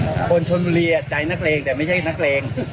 คนชนบุรีใจนักเลงแต่ไม่ใช่นักเลง